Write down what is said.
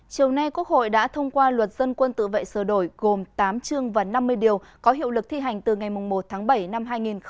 chiều nay quốc hội đã thông qua luật dân quân tự vệ sửa đổi gồm tám chương và năm mươi điều có hiệu lực thi hành từ ngày một tháng bảy năm hai nghìn hai mươi